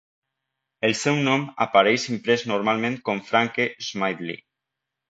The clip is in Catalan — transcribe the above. El seu nom apareix imprès normalment com Frank E. Smedley.